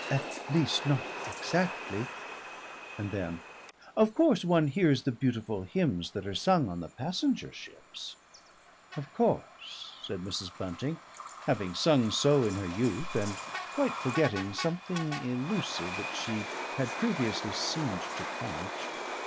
"At least not exactly " And then "Of course one hears the beautiful hymns that are sung on the passenger ships." "Of course!" said Mrs. Bunting, having sung so in her youth and quite forgetting something elusive that she had previously seemed to catch.